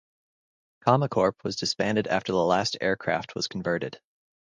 Cammacorp was disbanded after the last aircraft was converted.